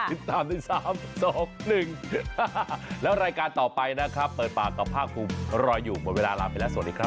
แล้วรายการต่อไปนะครับเปิดปากกับภาคภูมิรออยู่หมดเวลาลาไปแล้วสวัสดีครับ